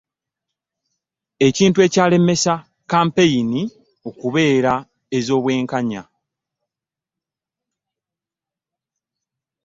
Ekintu ekyalemesa kkampeyini okubeera ez'obwenkanya